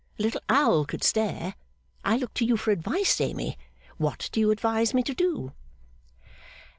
A little owl could stare. I look to you for advice, Amy. What do you advise me to do?